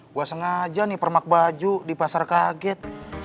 gue sengaja nih permak baju di pasar kaget